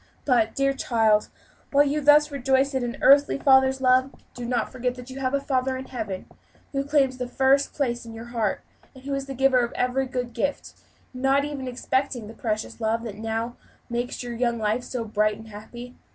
But, dear child, while you thus rejoice in an earthly father's love, do not forget that you have a Father in Heaven, who claims the first place in your heart; and who is the giver of every good gift, not even excepting the precious love that now makes your young life so bright and happy.